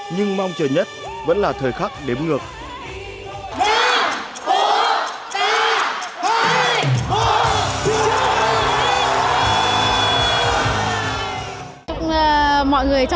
nhưng mong chờ nhất vẫn là thời khắc đếm ngược